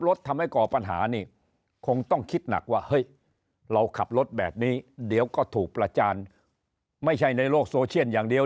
เราขับรถแบบนี้เดี๋ยวก็ถูกประจานไม่ใช่ในโลกโซเชียลอย่างเดียว